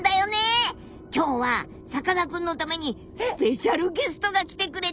今日はさかなクンのためにスペシャルゲストが来てくれてるよ。